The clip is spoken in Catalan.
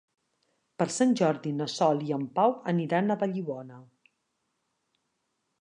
Per Sant Jordi na Sol i en Pau aniran a Vallibona.